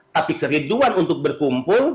tapi keriduan untuk berkumpul